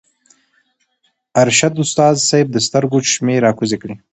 ارشد استاذ صېب د سترګو چشمې راکوزې کړې